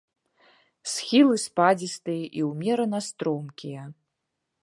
Схілы спадзістыя і ўмерана стромкія.